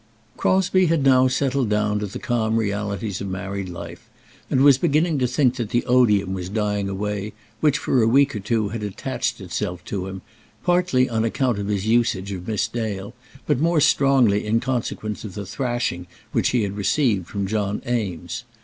Crosbie had now settled down to the calm realities of married life, and was beginning to think that the odium was dying away which for a week or two had attached itself to him, partly on account of his usage of Miss Dale, but more strongly in consequence of the thrashing which he had received from John Eames.